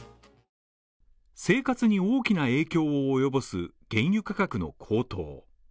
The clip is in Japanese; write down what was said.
生活に大きな影響を及ぼす原油価格の高騰